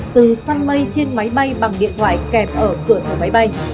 từ sun mây trên máy bay bằng điện thoại kẹp ở cửa sổ máy bay